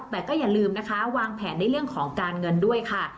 แต่ก็อย่าลืมนะคะวางแผนในเรื่องของการเงินด้วยค่ะ